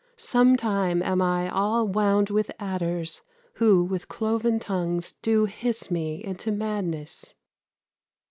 Sometime am I All wound with adders, who, with cloven tongues, Do hiss me into madness."